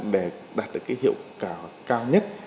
để đạt được hiệu quả cao nhất